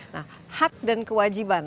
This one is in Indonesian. nah hak dan kewajiban